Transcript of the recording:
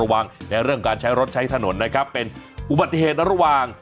ในเรื่องการใช้รถใช้ถนนนะครับเป็นอุบัติเหตุระหว่าง